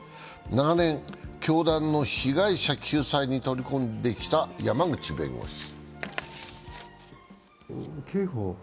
長年、教団の被害者救済に取り組んできた山口弁護士。